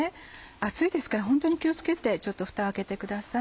熱いですからホントに気を付けてフタを開けてください。